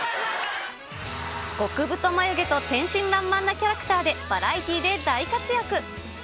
極太眉毛と天真らんまんなキャラクターで、バラエティーで大活躍。